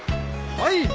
はい。